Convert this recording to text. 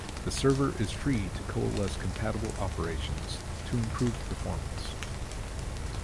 The server is free to coalesce compatible operations to improve performance.